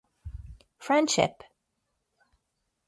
Friendship.